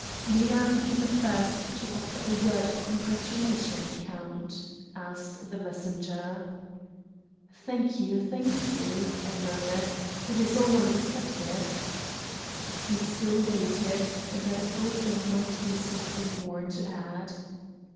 "May I be the first to offer a word of congratulation, count?" asked the messenger. "Thank you, thank you," I murmured. "It is all unexpected." He still waited, and I thought there might be something more to add.